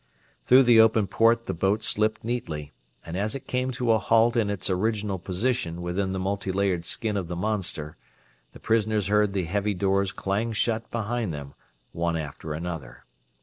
Through the open port the boat slipped neatly, and as it came to a halt in its original position within the multilayered skin of the monster, the prisoners heard the heavy doors clang shut behind them, one after another.